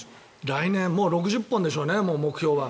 来年もう６０本でしょうね、目標は。